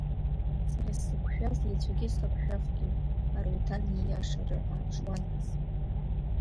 Сара сзықәшәаз еицәагьы сақәшәахгьы, Аруҭан ииашара ааԥшуандаз!